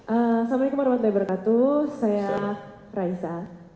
assalamualaikum warahmatullahi wabarakatuh saya raisa